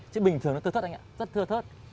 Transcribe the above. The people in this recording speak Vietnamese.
chứ bình thường nó thơ thớt anh ạ rất thơ thớt